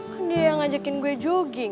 kan dia yang ngajakin gue jogging